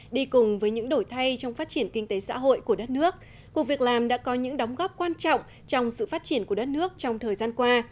đi cùng với những đổi thay trong phát triển kinh tế xã hội của đất nước cuộc việc làm đã có những đóng góp quan trọng trong sự phát triển của đất nước trong thời gian qua